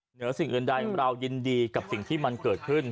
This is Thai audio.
เหนือสิ่งอื่นใดเรายินดีกับสิ่งที่มันเกิดขึ้น